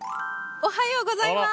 おはようございます！